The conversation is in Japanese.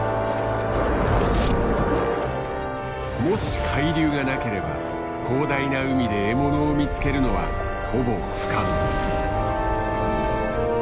もし海流がなければ広大な海で獲物を見つけるのはほぼ不可能。